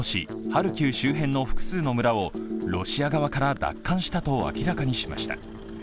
ハルキウ周辺の複数の村をロシア側から奪還したと明らかにしました。